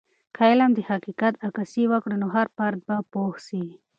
که علم د حقیقت عکاسي وکړي، نو هر فرد به پوه سي.